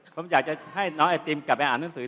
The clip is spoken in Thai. ผมอยากจะให้น้องไอติมกลับไปอ่านหนังสือ